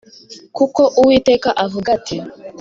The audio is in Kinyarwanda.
, kuko Uwiteka avuga ati